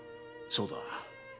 そうだ。